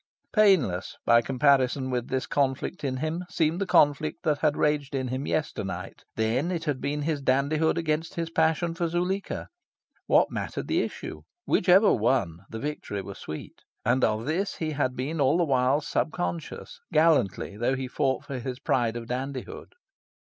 Painless, by comparison with this conflict in him, seemed the conflict that had raged in him yesternight. Then, it had been his dandihood against his passion for Zuleika. What mattered the issue? Whichever won, the victory were sweet. And of this he had all the while been subconscious, gallantly though he fought for his pride of dandihood.